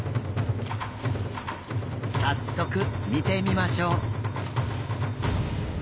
早速見てみましょう。